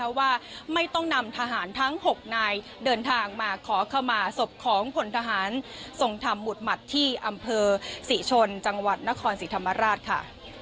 เพราะว่าไม่ต้องนำทหารทั้ง๖นายเดินทางมาขอขมาศพของผลทหารทรงธรรมหมุดหมัดที่อำเภอศรีชนจังหวัดนครศรีธรรมราชค่ะ